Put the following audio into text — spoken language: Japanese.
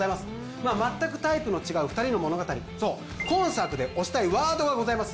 まあ全くタイプの違う２人の物語そう今作で推したいワードがございます